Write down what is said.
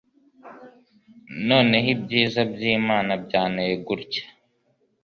Noneho ibyiza by'Imana byanteye gutya